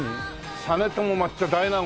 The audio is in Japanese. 「実朝抹茶大納言」